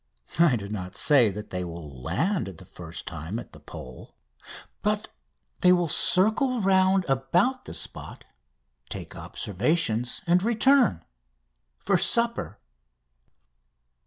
I do not say that they will land the first time at the Pole, but they will circle round about the spot, take observations, and return ... for supper.